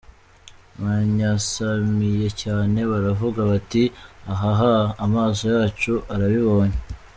Banyasamiye cyane, Baravuga bati “Ahaa, ahaa, amaso yacu arabibonye.”